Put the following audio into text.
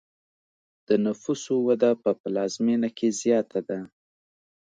د نفوسو وده په پلازمینه کې زیاته ده.